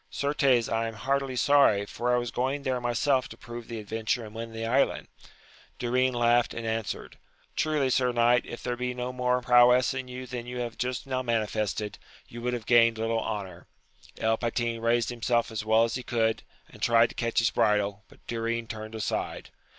certes I am heartily sorry, for I was going there my self to prove the adventure and win the island. AMADIS OF GAUL 277 Durin laughed, and answered, Truly, sir knight, if there be no more prowess in you than you have just now manifested, you would have gained little honour ! El Patin raised himself as well as he could, and tried to catch his bridle, but Durin turned aside.